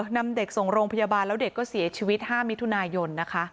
นำเด็กส่งโรงพยาบาลแล้วเด็กก็เสียชีวิต๕มิถุนายนนะคะ